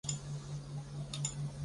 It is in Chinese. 封号靖都王。